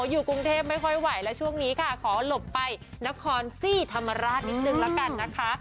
อยู่กรุงเทพไม่ค่อยไหวแล้วช่วงนี้ค่ะขอหลบไปนครสีธรรมราชนิดนึงแล้วกันนะคะ